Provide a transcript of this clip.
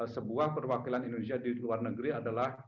sebuah perwakilan indonesia di luar negeri adalah